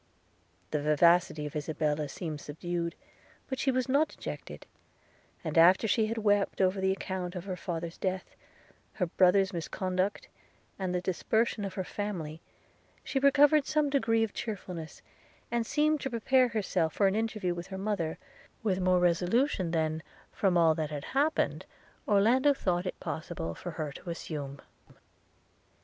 The vivacity of Isabella seemed subdued, but she was not dejected; and after she had wept over the account of her father's death, her brother's misconduct, and the dispersion of her family, she recovered some degree of cheerfulness, and seemed to prepare herself for an interview with her mother, with more resolution than, from all that had happened, Orlando thought it possible for her to assume.